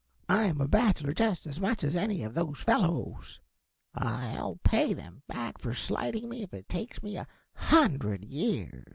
I am a bachelor just as much as any of those fellows. I'll pay them back for slighting me if it takes me a hundred years."